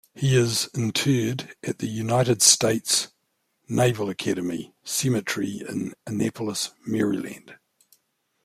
He is interred at the United States Naval Academy Cemetery in Annapolis, Maryland.